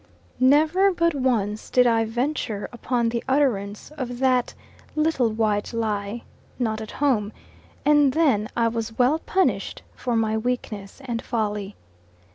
NEVER but once did I venture upon the utterance of that little white lie, "Not at home," and then I was well punished for my weakness and folly.